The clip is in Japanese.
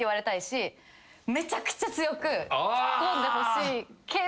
めちゃくちゃ強くツッコんでほしいけど。